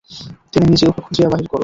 তুমি নিজে উহা খুঁজিয়া বাহির কর।